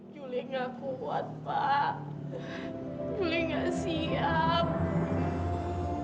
juli gak puas pak juli gak siap